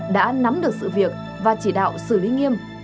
đã nắm được sự việc và chỉ đạo xử lý nghiêm